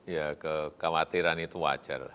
ya kekhawatiran itu wajar